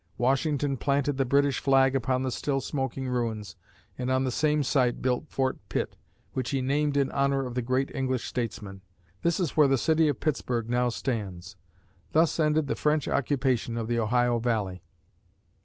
Washington planted the British flag upon the still smoking ruins and on the same site built Fort Pitt, which he named in honor of the great English statesman. This is where the city of Pittsburgh now stands. Thus ended the French occupation of the Ohio Valley.